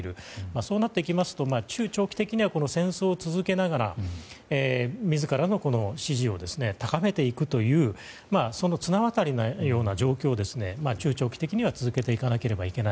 そうなってきますと中長期的には戦争を続けながら自らの支持を高めていくという綱渡りのような状況を中長期的には続けていかなければならない。